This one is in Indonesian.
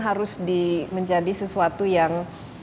harus menjadi sesuatu yang